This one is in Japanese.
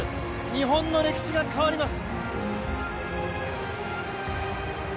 日本の歴史が変わります。